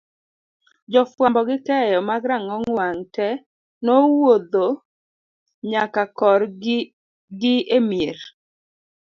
jofuambo gi keyo mag rang'ong wang' te nowuodho nyakakorgiemier